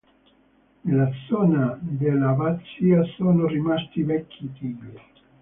Nella zona dell'abbazia sono rimasti vecchi tigli.